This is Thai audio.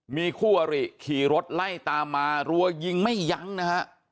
มีคู่อริขี่รถไล่ตามมารัวยิงไม่ยั้งนะฮะ